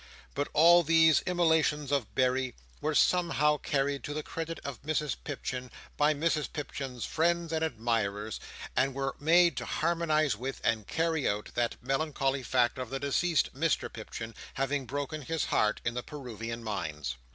But all these immolations of Berry were somehow carried to the credit of Mrs Pipchin by Mrs Pipchin's friends and admirers; and were made to harmonise with, and carry out, that melancholy fact of the deceased Mr Pipchin having broken his heart in the Peruvian mines.